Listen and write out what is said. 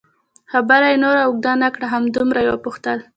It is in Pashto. خبره یې نوره اوږده نه کړه، همدومره یې وپوښتل.